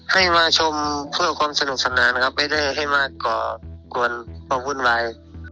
ให้มาชมเพื่อความสนุกสนานนะครับไม่ได้ให้มาก่อกวนความวุ่นวาย